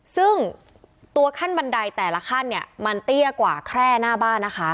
ซึ่งตัวขั้นบันไดแต่ละขั้นเนี่ยมันเตี้ยกว่าแค่หน้าบ้านนะคะ